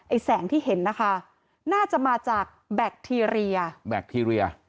ไอ้แสงที่เห็นน่าจะมาจากแบคทีเรีย